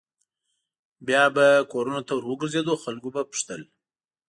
بیا به کورونو ته ور وګرځېدو خلکو به پوښتل.